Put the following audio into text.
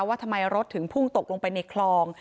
ว่าทำไมรถถึงพุ่งตกลงไปในคลอง